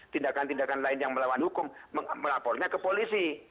tindakan tindakan lain yang melawan hukum melapornya ke polisi